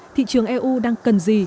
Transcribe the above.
thị trường eu đang cần gì